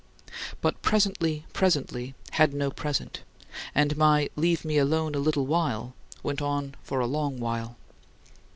But "presently, presently," had no present; and my "leave me alone a little while" went on for a long while.